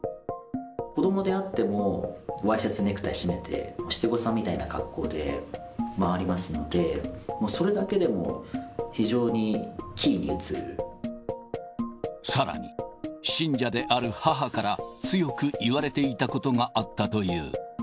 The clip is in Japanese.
子どもであっても、ワイシャツにネクタイ締めて、七五三みたいな格好で回りますので、さらに、信者である母から強く言われていたことがあったという。